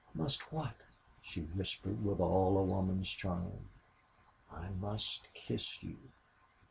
"Must what?" she whispered, with all a woman's charm. "I must kiss you!"